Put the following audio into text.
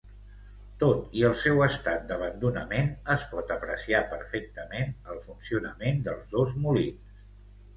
Tot i el seu estat d'abandonament, es pot apreciar perfectament el funcionament dels dos molins.